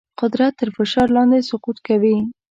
قدرت تر فشار لاندې سقوط کوي.